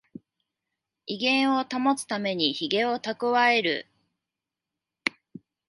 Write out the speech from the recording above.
威厳を保つためにヒゲをたくわえる